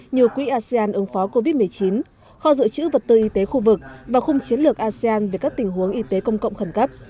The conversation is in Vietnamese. như quỹ asean ứng phó covid một mươi chín kho dự trữ vật tư y tế khu vực và khung chiến lược asean về các tình huống y tế công cộng khẩn cấp